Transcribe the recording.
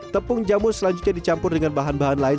tepung jamu selanjutnya dicampur dengan bahan bahan lain